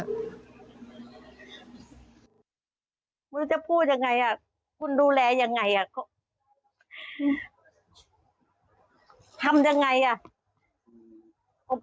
คุณจะพูดยังไงคุณดูแลยังไง